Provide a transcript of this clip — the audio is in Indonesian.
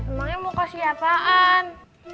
emangnya mau kasih apaan